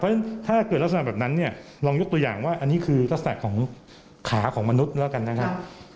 เพราะฉะนั้นถ้าเกิดลักษณะแบบนั้นเนี่ยลองยกตัวอย่างว่าอันนี้คือลักษณะของขาของมนุษย์แล้วกันนะครับ